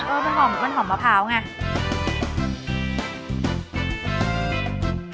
เออเป็นหอมมะพร้าวไง